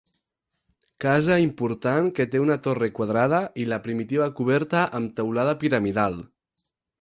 Casa important que té una torre quadrada i la primitiva coberta amb teulada piramidal.